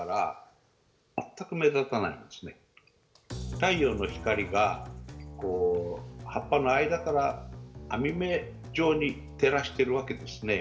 太陽の光が葉っぱの間から、網目状に照らしているわけですね。